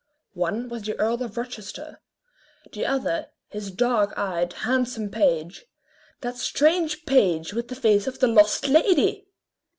One was the Earl of Rochester; the other, his dark eyed, handsome page that strange page with the face of the lost lady!